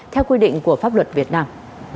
theo quy định của pháp luật việt nam